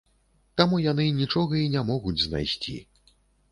Таму яны нічога і не могуць знайсці.